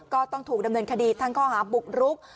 ก็ต้องถูกดำเนินคดีทั้งข้อหาบุกรุก